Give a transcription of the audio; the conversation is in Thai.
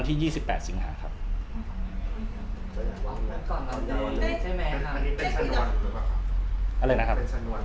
หลังย่าวันที่๒๘สิงหาครับ